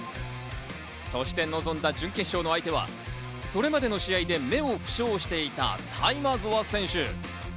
そして臨んだ準決勝の相手はそれまでの試合で目を負傷していた、タイマゾワ選手。